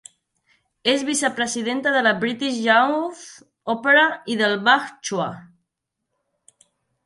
És vicepresidenta de la British Youth Opera i del Bach Choir.